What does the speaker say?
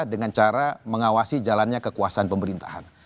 dengan cara mengawasi jalannya kekuasaan pemerintahan